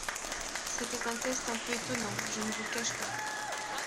C’était un test un peu étonnant, je ne vous le cache pas.